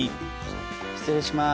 失礼します。